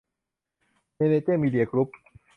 แมเนเจอร์ มีเดีย กรุ๊ป